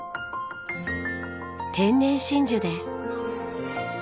天然真珠です。